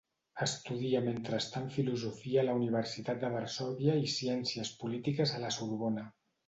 Estudia mentrestant filosofia a la Universitat de Varsòvia i ciències polítiques a la Sorbona.